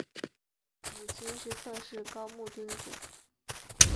母亲是侧室高木敦子。